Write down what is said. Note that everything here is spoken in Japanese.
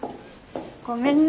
ごめんね。